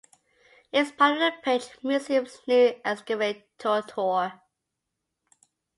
It is part of the Page Museum's new Excavator Tour.